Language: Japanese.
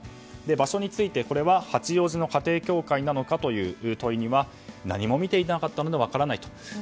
場所について八王子の家庭教会なのかという問いには、何も見ていなかったので分からないと。